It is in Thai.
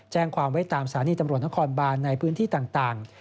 แจ้งความไว้ตามสถานีตำรวจนครบานในพื้นที่ต่าง